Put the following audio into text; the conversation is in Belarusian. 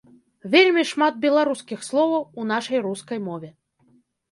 Вельмі шмат беларускіх словаў у нашай рускай мове.